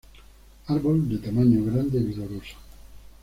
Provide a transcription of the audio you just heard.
Árbol de tamaño grande vigoroso.